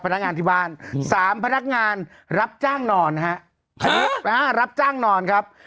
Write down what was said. พนักงานที่บ้านสามพนักงานรับจ้างนอนฮะรับจ้างนอนครับ